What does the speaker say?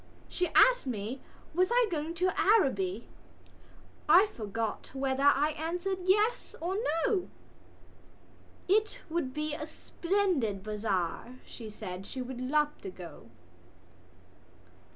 She asked me was I going to Araby. I forgot whether I answered yes or no. It would be a splendid bazaar, she said; she would love to go.